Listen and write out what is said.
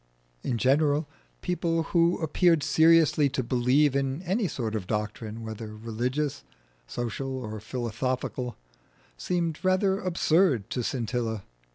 In general, people who appeared seriously to believe in any sort of doctrine, whether religious, social, or philosophical, seemed rather absurd to Scintilla.